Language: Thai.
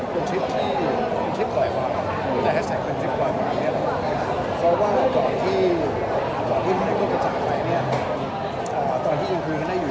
ก็เลยถือว่าเป็นชิดที่ได้ธรรมาณการเที่ยวได้เลย